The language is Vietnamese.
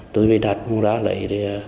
tối về đặt mua ra lấy